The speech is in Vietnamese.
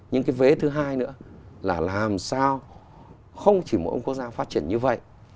những cái vế thứ hai nữa là làm sao không chỉ mỗi một quốc gia phát triển như vậy